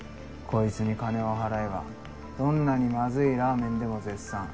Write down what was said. こいつに金を払えばどんなにまずいラーメンでも絶賛。